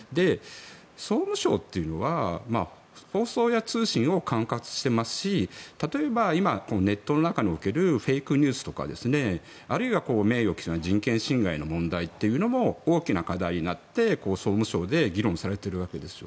総務省というのは放送や通信を管轄していますし例えば今、ネットの中におけるフェイクニュースとかあるいは名誉毀損、人権侵害の問題というのも大きな課題になって、総務省で議論されているわけですよ。